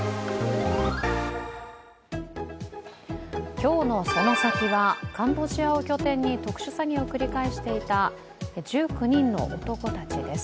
今日の「そのサキ」は、カンボジアを拠点に特殊詐欺を繰り返していた１９人の男たちです。